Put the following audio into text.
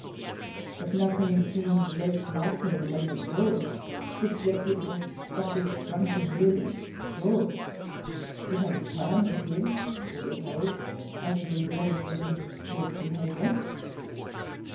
But nothing seemed less likely than that George — disagreeable, stockish, drunken, mulish George — should have a crown to give or withhold, as a reward for good Court behaviour.